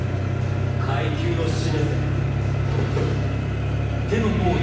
階級を示せ。